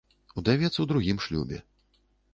Удавец у другім шлюбе.